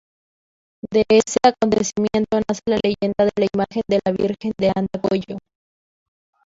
De ese acontecimiento nace la leyenda de la imagen de la Virgen de Andacollo.